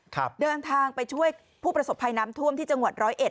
ครับเดินทางไปช่วยผู้ประสบภัยน้ำท่วมที่จังหวัด๑๐๑